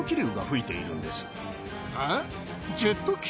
えっ？